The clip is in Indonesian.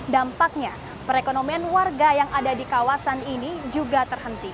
dampaknya perekonomian warga yang ada di kawasan ini juga terhenti